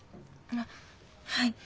あっはい。